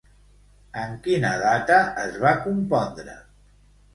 En quina data es va compondre?